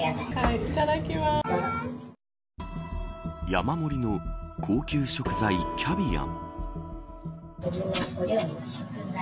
山盛りの高級食材キャビア。